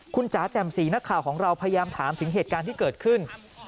คุณจ๋าแจ่มสีนักข่าวของเราพยายามถามถึงเหตุการณ์ที่เกิดขึ้น